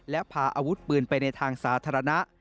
และพาอาวุธปืนไปในทางสาธารณะ